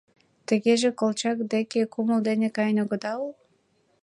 —— Тыгеже Колчак деке кумыл дене каен огыда ул?